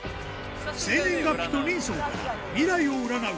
生年月日と人相から未来を占う